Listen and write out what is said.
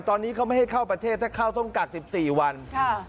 ตอนนี้เขาไม่ให้เข้าประเทศถ้าเข้าต้องกักสิบสี่วันค่ะ